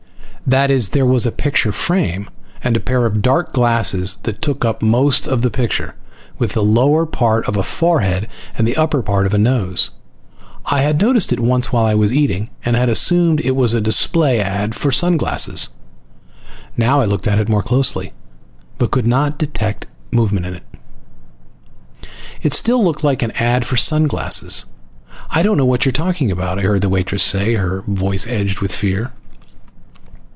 That is, there was a picture frame and a pair of dark glasses that took up most of the picture, with the lower part of a forehead and the upper part of a nose. I had noticed it once while I was eating and had assumed it was a display ad for sun glasses. Now I looked at it more closely, but could detect no movement in it. It still looked like an ad for sun glasses. "I don't know what you're talking about," I heard the waitress say, her voice edged with fear.